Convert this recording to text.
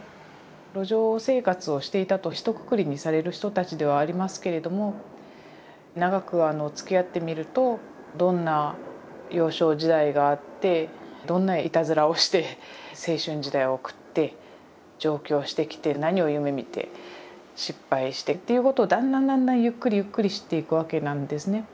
路上生活をしていたとひとくくりにされる人たちではありますけれども長くつきあってみるとどんな幼少時代があってどんないたずらをして青春時代を送って上京してきて何を夢みて失敗してっていうことをだんだんだんだんゆっくりゆっくり知っていくわけなんですね。